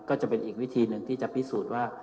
ก็จะเป็นอีกวิธีหนึ่งที่จะพิสูจน์ว่า